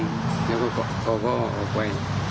แล้วก็เขาก็ออกไป